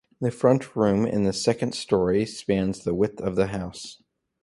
The front room in the second storey spans the width of the house.